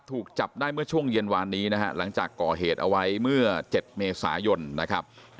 ถูกจับได้เมื่อช่วงเย็นวานนี้นะฮะหลังจากก่อเหตุเอาไว้เมื่อ๗เมษายนนะครับ